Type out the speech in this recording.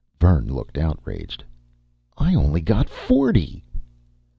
Vern looked outraged. "I only got forty!"